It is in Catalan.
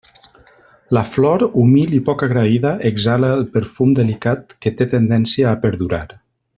La flor, humil i poc agraïda, exhala el perfum delicat que té tendència a perdurar.